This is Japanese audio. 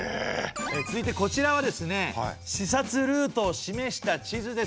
続いてこちらはですね視察ルートを示した地図です。